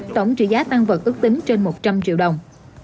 tổng trị giá tăng vật ước tính trên một trăm linh triệu đồng